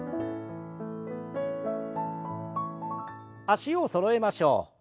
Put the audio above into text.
脚をそろえましょう。